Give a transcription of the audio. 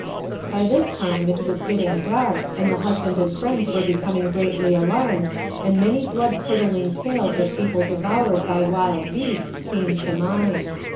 By this time it was getting dark, and the husband and friends were becoming greatly alarmed, and many blood curdling tales of people devoured by wild beasts came to mind.